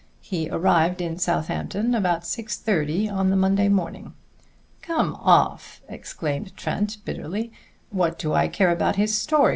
He arrived in Southampton about six thirty on the Monday morning." "Come off!" exclaimed Trent bitterly. "What do I care about his story?